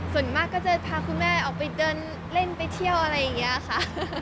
ส่วนมากก็จะพาคุณแม่ออกไปเดินเล่นไปเที่ยวอะไรอย่างนี้ค่ะ